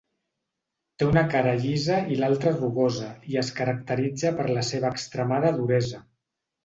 Té una cara llisa i l'altra rugosa i es caracteritza per la seva extremada duresa.